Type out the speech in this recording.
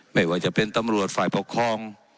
ไม่ว่าจะเป็นตำรวจฝ่ายปกครอง